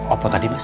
apa tadi mas